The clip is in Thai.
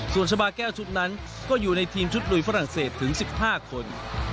ส่วนชาบาแก้วชุดนั้นก็อยู่ในทีมชุดลุยฝรั่งเศสถึง๑๕คน